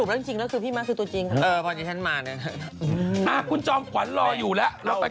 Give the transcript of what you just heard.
แน่นนะฮะตรงนี้ไม่มา